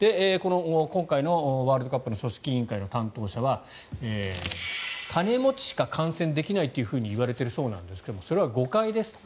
今回のワールドカップの組織委員会の担当者は金持ちしか観戦できないといわれているそうですがそれは誤解ですと。